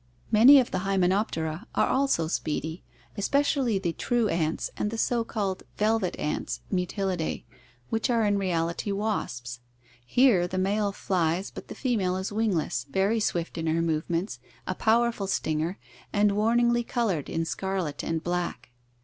Many of the Hymenoptera are also speedy, especially the true ants and the so called velvet ants (Mutillidae) which are in reality wasps. Here the male flies, but the female is wingless, very swift in her movements, a powerful stinger, and warningly colored in scarlet and black.